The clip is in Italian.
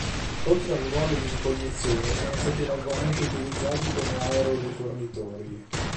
Oltre al ruolo di ricognizione sono stati largamente utilizzati come aero-rifornitori.